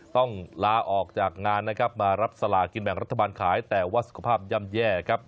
ต้องลาออกจากงานนะครับมารับสลากินแบ่งรัฐบาลขายแต่ว่าสุขภาพย่ำแย่ครับ